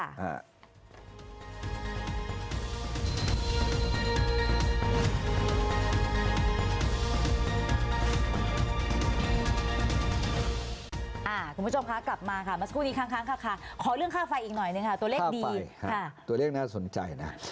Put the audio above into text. คุณผู้ชมค่ะกลับมาค่ะมาสักครู่นี้ครั้งครับค่ะ